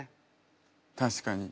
確かに。